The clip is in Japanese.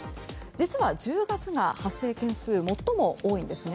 実は１０月が発生件数、最も多いんです。